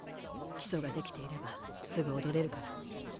基礎ができていればすぐ踊れるから。